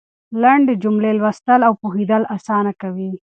لنډې جملې لوستل او پوهېدل اسانه کوي.